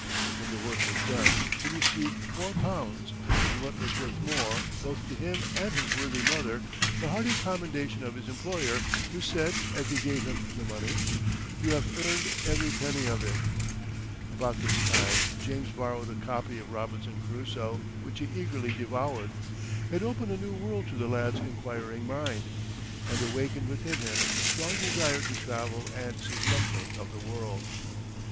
When the work was done, he received four pounds, and what was worth more, both to him and his worthy mother, the hearty commendation of his employer, who said, as he gave him the money "You have earned every penny of it." About this time James borrowed a copy of Robinson Crusoe, which he eagerly devoured. It opened a new world to the lad's inquiring mind, and awakened within him a strong desire to travel and see something of the world.